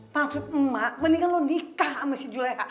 maksud mak mendingan lo nikah sama si juleka